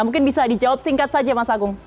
mungkin bisa dijawab singkat saja mas agung